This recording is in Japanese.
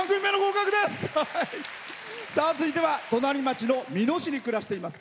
続いては隣町の美濃市に暮らしています。